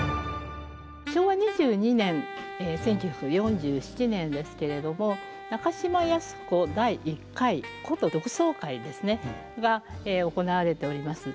昭和２２年１９４７年ですけれども中島靖子第１回箏独奏会ですねが行われております。